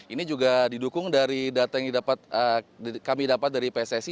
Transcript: ini juga didukung dari data yang kami dapat dari pssi